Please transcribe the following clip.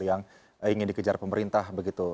yang ingin dikejar pemerintah